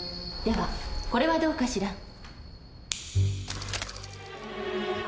ではこれはどうかしら。